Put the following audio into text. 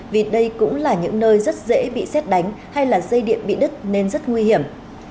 vì đây cũng là những nơi rất dễ bị xét đánh hay là dây điện bị đứt nên rất nguy hiểm